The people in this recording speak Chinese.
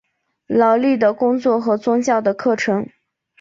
劳力的工作和宗教的课程。